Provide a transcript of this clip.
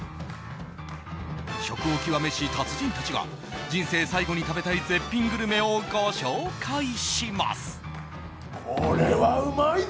食を極めし達人たちが人生最後に食べたい絶品グルメをご紹介します。